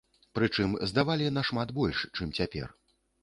Прычым здавалі нашмат больш, чым цяпер.